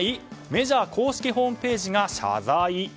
メジャー公式ホームページが謝罪。